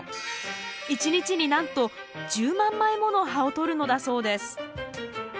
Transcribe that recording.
１日になんと１０万枚もの葉をとるのだそうです